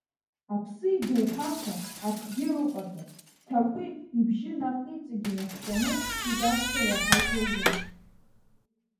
Аԥсы идоуҳа ҳәа акгьы ыҟаӡам, Ҭакәи, ибжьы наҟ иҵегь инаскьаны игазшәа иаҳаит уажәы.